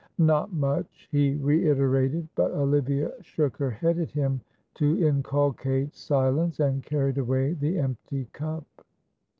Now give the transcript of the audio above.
"Not much," he reiterated; but Olivia shook her head at him to inculcate silence, and carried away the empty cup.